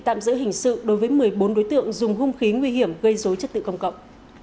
tạm giữ hình sự đối với một mươi bốn đối tượng dùng hung khí nguy hiểm gây dối chất tự công cộng